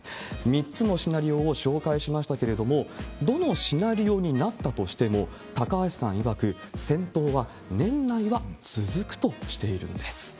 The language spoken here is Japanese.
３つのシナリオを紹介しましたけれども、どのシナリオになったとしても、高橋さんいわく、戦闘は年内は続くとしているんです。